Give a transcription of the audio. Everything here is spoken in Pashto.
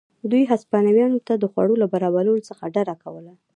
دوی هسپانویانو ته د خوړو له برابرولو څخه ډډه کوله.